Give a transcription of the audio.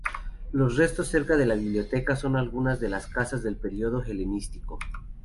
Los restos cerca de la biblioteca, son algunas de las casas el período helenístico.